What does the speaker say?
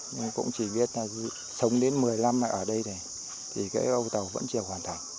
nhưng cũng chỉ biết là sống đến một mươi năm lại ở đây thì cái ô tàu vẫn chưa hoàn thành